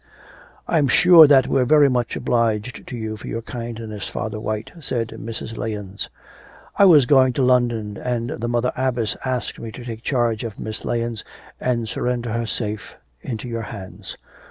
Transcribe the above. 'I'm sure that we're very much obliged to you for your kindness, Father White,' said Mrs. Lahens. 'I was going to London, and the Mother Abbess asked me to take charge of Miss Lahens, and surrender her safe into your hands.'